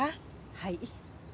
はい。